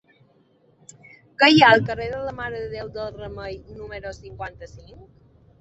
Què hi ha al carrer de la Mare de Déu del Remei número cinquanta-cinc?